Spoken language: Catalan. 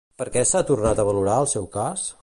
Per què s'ha tornat a valorar el seu cas?